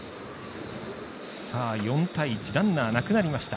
４対１ランナーなくなりました。